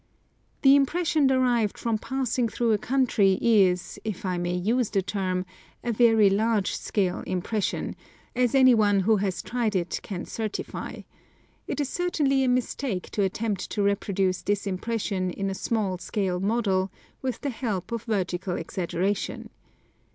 The im pression derived from passing through a country is, if I may use the term, a very large scale impression, as any one who has tried it can certify ; it is certainly a mistake to attempt to reproduce this impression in a small scale model, with the help of vertical exaggeration.